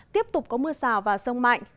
tiếp tục có mưa rào và rông mạnh